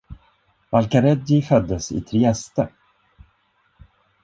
Valcareggi föddes i Trieste.